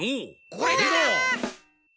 これだ！